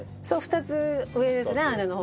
そう２つ上ですね